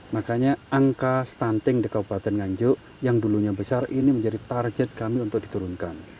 makanya angka stunting di kabupaten nganjuk yang dulunya besar ini menjadi target kami untuk diturunkan